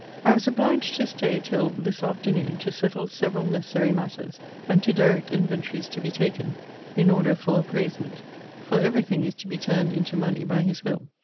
I was obliged to stay till this afternoon, to settle several necessary matters, and to direct inventories to be taken, in order for appraisement; for every thing is to be turned into money, by his will.